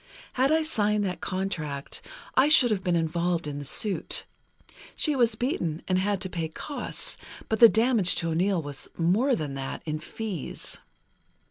Had I signed that contract, I should have been involved in the suit. She was beaten, and had to pay costs, but the damage to O'Neill was more than that, in fees.